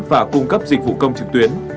và cung cấp dịch vụ công trực tuyến